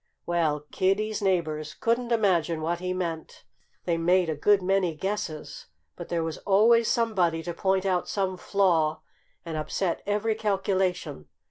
Well, Kiddie's neighbors couldn't imagine what he meant. They made a good many guesses. But there was always somebody to point out some flaw and upset every calculation.